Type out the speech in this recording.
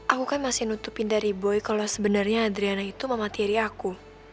aku kan masih nutupin dari boy kalo sebenernya adriana itu mama tiri aku